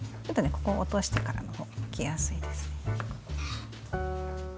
ここを落としてからの方がむきやすいです。